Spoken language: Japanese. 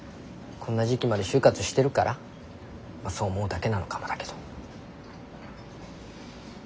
こんな時期まで就活してるからまあそう思うだけなのかもだけど。